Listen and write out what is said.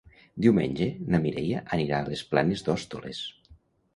Diumenge na Mireia anirà a les Planes d'Hostoles.